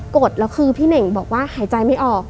กดแล้วคือพี่เน่งบอกว่าหายใจไม่ออก